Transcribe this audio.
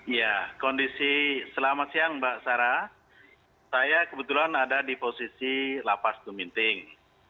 ya kondisi selamat siang mbak sarah saya kebetulan ada di posisi lapas keminting